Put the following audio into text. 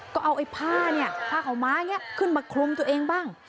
ก็เอาไอ้ผ้าเนี่ยผ้าขาวม้าอย่างนี้ขึ้นมาคลุมตัวเองบ้าง